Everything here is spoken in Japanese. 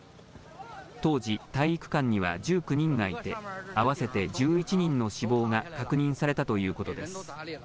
当時、体育館には１９人がいて、合わせて１１人の死亡が確認されたということです。